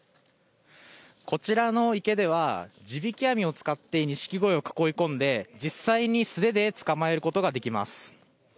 こちらの池では地引き網を使ってにしきごいを囲い込んで実際に素手で捕まえることができます。